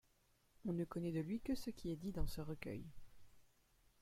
On ne connaît de lui que ce qui est dit dans ce recueil.